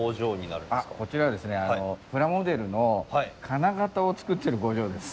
こちらはですねプラモデルの金型を作ってる工場です。